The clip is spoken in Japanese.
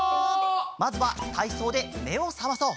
まずはたいそうでめをさまそう。